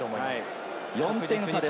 ４点差です。